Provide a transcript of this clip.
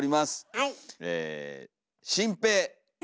はい。